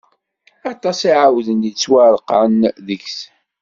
Aṭas i iɛawden, yettwareqɛen deg-s.